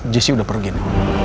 jessy udah pergi no